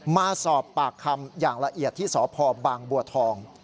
มาสอบปากคำอย่างละเอียดที่สพบางบัวทอง